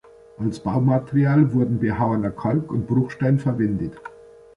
Als Baumaterial wurden behauener Kalk- und Bruchstein verwendet.